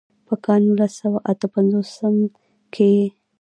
پۀ کال نولس سوه اتۀ پنځوستم کښې ئې